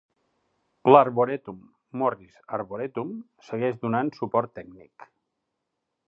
L'arborètum Morris Arboretum segueix donant suport tècnic.